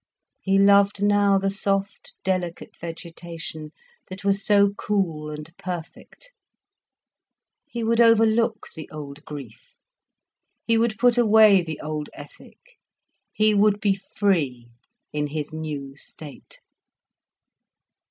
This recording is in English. He loved now the soft, delicate vegetation, that was so cool and perfect. He would overlook the old grief, he would put away the old ethic, he would be free in his new state.